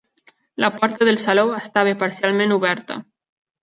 La porta del saló estava parcialment oberta.